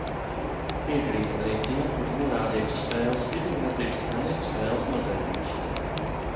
Piekrītu arī tiem, kuri norādīja, ka spēles vidū nedrīkst mainīt spēles noteikumus.